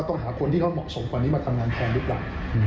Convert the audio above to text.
ก็ต้องหาคนที่เขาเหมาะสมความนี้มาทำงานแทนด้วยกล่าว